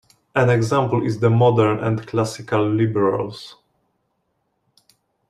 An example is the modern and classical liberals.